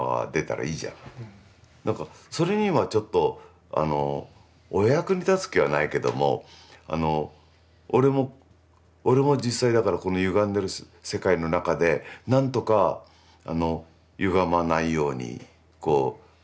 何かそれにはちょっとお役に立つ気はないけども俺も実際だからこのゆがんでる世界の中で何とかゆがまないようにこう。